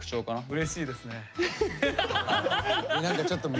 うれしいですね。